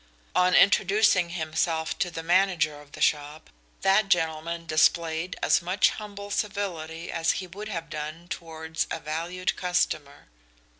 On introducing himself to the manager of the shop that gentleman displayed as much humble civility as he would have done towards a valued customer.